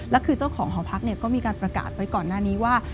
แล้วคือเจ้าของหอพักก็มีการประกาศไว้ก่อนหน้านี้ว่า